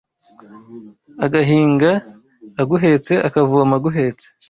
Agahinga aguhetse Akavoma aguhetse